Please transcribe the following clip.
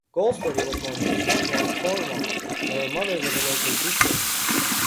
Goldsworthy was born in Camborne, Cornwall, where her mother was a local teacher.